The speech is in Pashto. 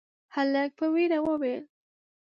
هلک په وېره وويل: